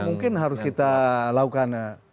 mungkin harus kita lakukan